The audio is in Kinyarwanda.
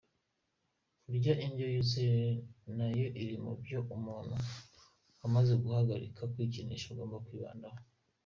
Kurya indyo yuzuye nayo iri mu byo umuntu wamaze guhagarika kwikinisha agomba kwibandaho.